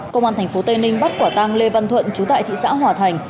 công an thành phố tây ninh bắt quả tang lê văn thuận trú tại thị xã hòa thành